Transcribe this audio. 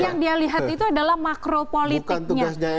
yang dia lihat itu adalah makro politiknya